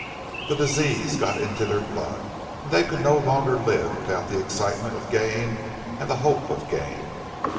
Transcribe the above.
The disease got into their blood, and they could no longer live without the excitement of gain and the hope of gain.